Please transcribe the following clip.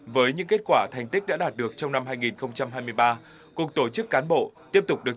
với những kết quả thành tích đã đạt được trong năm hai nghìn hai mươi ba cục tổ chức cán bộ tiếp tục được